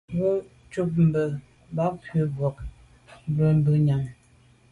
Mvə̌ cúp mbə̄ ká bù brók á lá mbrə̀ bú bə̂ nyə̀m.